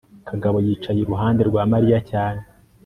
kagabo yicaye iruhande rwa mariya cyane